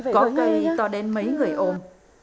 có cây to đến mấy người ôm